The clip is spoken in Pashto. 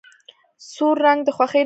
سور رنګ د خوښۍ نښه ده.